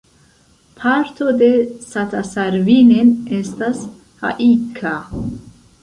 Parto de Satasarvinen estas Haikka.